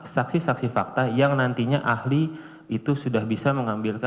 saksi saksi fakta yang nantinya ahli itu sudah bisa mengambil